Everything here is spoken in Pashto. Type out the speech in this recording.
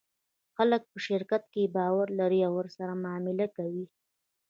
خلک په شرکت باور لري او ورسره معامله کوي.